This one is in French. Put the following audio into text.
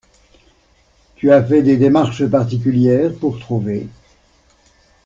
Tu as fait des démarches particulières, pour trouver?